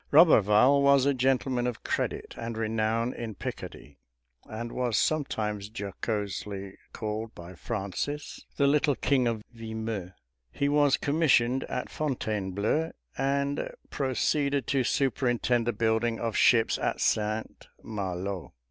Roberval was a gentleman of credit and renown in Picardy, and was sometimes jocosely called by Francis "the little king of Vimeu." He was commissioned at Fontainebleau, and proceeded to superintend the building of ships at St. Malo.